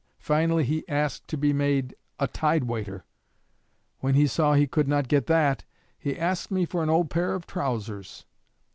Finally he asked to be made a tide waiter. When he saw he could not get that, he asked me for _an old pair of trousers.